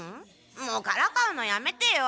もうからかうのやめてよ。